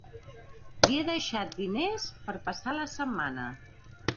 Li he deixat diners per a passar la setmana.